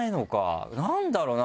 何だろうな？